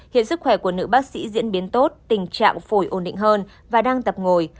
hiện sức khỏe của nữ bác sĩ diễn biến tốt tình trạng phổi ổn định hơn và đang tập ngồi